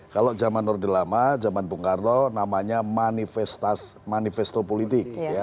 kalau zaman nordelama zaman bung karno namanya manifesto politik